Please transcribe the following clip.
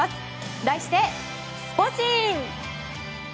題して、スポ神。